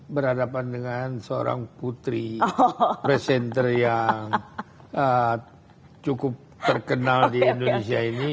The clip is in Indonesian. berhadapan dengan seorang putri presenter yang cukup terkenal di indonesia ini